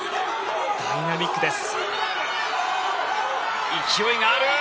ダイナミックです。